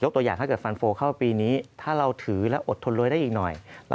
แต่จริงถ้าเกิดมาเรียนในโครงการ